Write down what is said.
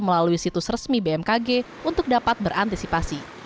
melalui situs resmi bmkg untuk dapat berantisipasi